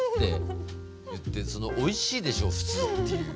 その「おいしい」でしょう普通っていう。